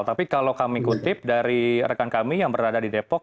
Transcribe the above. tapi kalau kami kutip dari rekan kami yang berada di depok